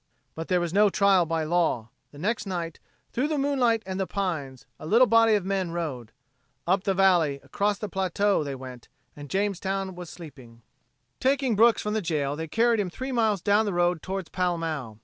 But there was no trial by law. The next night, through the moonlight and the pines, a little body of men rode. Up the valley, across the plateau, they went, and Jamestown was sleeping. Taking Brooks from the jail they carried him three miles down the road toward Pall Mall.